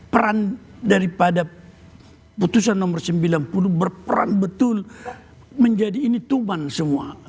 peran daripada putusan nomor sembilan puluh berperan betul menjadi ini tuman semua